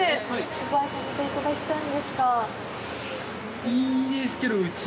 取材させていただきたいんですが。